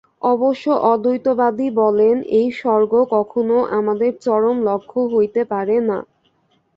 অবশ্য অদ্বৈতবাদী বলেন, এই স্বর্গ কখনও আমাদের চরম লক্ষ্য হইতে পারে না।